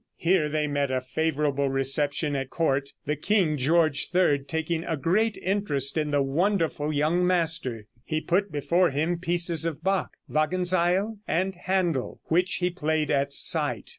Here they met a favorable reception at court, the king, George III, taking a great interest in the wonderful young master. He put before him pieces of Bach, Wagenseil and Händel, which he played at sight.